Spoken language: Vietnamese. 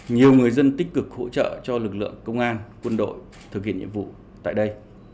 nhiều người dân tích cực hỗ trợ cho lực lượng công an quân đội thực hiện nhiệm vụ tại đây